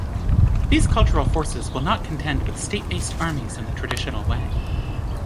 These cultural forces will not contend with state-based armies in the traditional way.